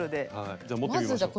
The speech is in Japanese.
じゃあ持ってみましょう。